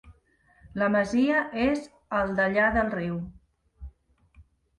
La masia és al dellà del riu.